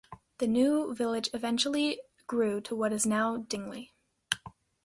The new village eventually grew to what is now Dingli.